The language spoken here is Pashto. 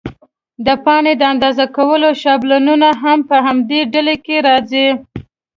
د پاڼې د اندازه کولو شابلونونه هم په همدې ډله کې راځي.